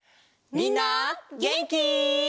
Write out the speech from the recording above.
みんなげんき？